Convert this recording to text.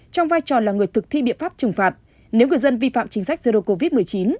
trong vai trò là người thực thi biện pháp trừng phạt nếu người dân vi phạm chính sách zero covid một mươi chín